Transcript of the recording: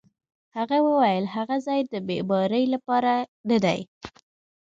هغه وویل: هغه ځای د معمارۍ لپاره نه دی.